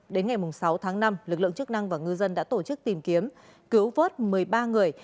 đến ngày sáu tháng năm lực lượng chức năng và ngư dân đã tổ chức tìm kiếm cứu vớt một mươi ba người